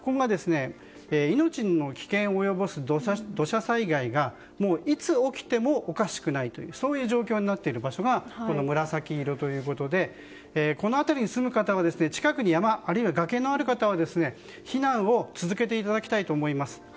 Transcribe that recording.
命に危険を及ぼす土砂災害がもう、いつ起きてもおかしくないそういう状況になっている場所が紫色ということでこの辺りに住む方は、近くに山やあるいは崖のある方は避難を続けていただきたいと思います。